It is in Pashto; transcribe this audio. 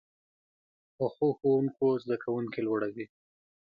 پخو ښوونکو زده کوونکي لوړوي